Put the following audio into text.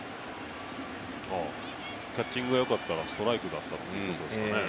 キャッチングが良かったらストライクだったっていうことですかね。